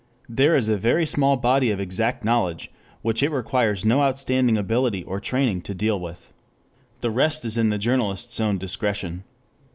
There is a very small body of exact knowledge, which it requires no outstanding ability or training to deal with. The rest is in the journalist's own discretion.